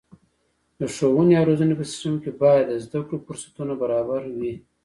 د ښوونې او روزنې په سیستم کې باید د زده کړو فرصتونه برابره وي.